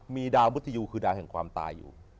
มีดาวมุทยูคือดาวแห่งความตายอยู่